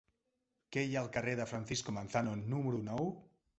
Què hi ha al carrer de Francisco Manzano número nou?